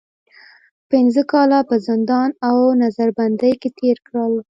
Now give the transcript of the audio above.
پنځه کاله په زندان او نظر بندۍ کې تېر کړل.